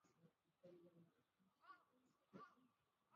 Pia kulikuwa na wale wenye kuimba kama wanamuziki wengi wa Marekani